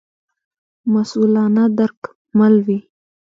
مسوولانه درک مل وي.